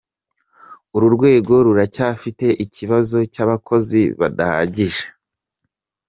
Uru rwego ruracyafite ikibazo cy’abakozi badahagije.